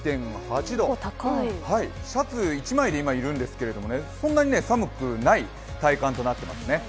シャツ１枚で今いるんですけどそんなに寒くない体感となっています。